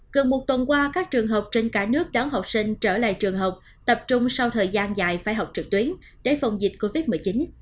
gần một tuần qua các trường học trên cả nước đón học sinh trở lại trường học tập trung sau thời gian dài phải học trực tuyến để phòng dịch covid một mươi chín